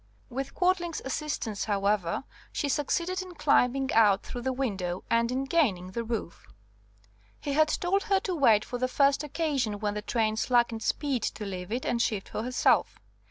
"With Quadling's assistance, however, she succeeded in climbing out through the window and in gaining the roof. He had told her to wait for the first occasion when the train slackened speed to leave it and shift for herself.